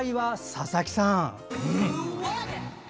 佐々木さん。